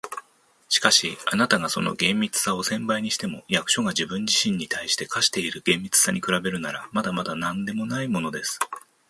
「しかし、あなたがその厳密さを千倍にしても、役所が自分自身に対して課している厳密さに比べるなら、まだまだなんでもないものです。